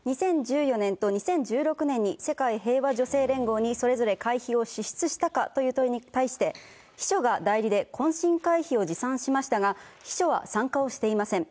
２０１４年と２０１６年に、世界平和女性連合にそれぞれ会費を支出したかという問いに対して、秘書が代理で懇親会費を持参しましたが、秘書は参加をしていません。